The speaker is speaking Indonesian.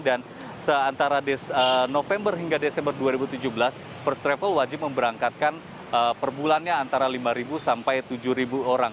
dan seantara november hingga desember dua ribu tujuh belas first travel wajib memberangkatkan perbulannya antara lima sampai tujuh orang